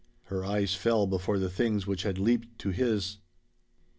Her eyes fell before the things which had leaped to his.